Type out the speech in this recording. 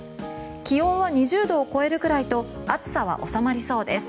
気温は２０度を超えるくらいと暑さは収まりそうです。